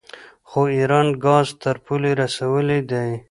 خو ایران ګاز تر پولې رسولی دی.